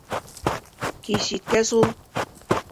Кис еткәс, ул: